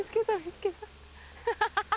ハハハ！